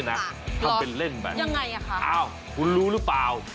ยังไงคะถ้าเป็นเล่นแบบนี้อ้าวคุณรู้หรือเปล่า